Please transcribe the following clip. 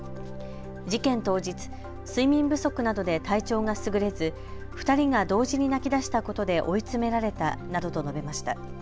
事件当日、睡眠不足などで体調がすぐれず２人が同時に泣きだしたことで追い詰められたなどと述べました。